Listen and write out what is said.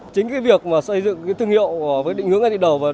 chính việc xây dựng thương hiệu với định hướng ngay từ đầu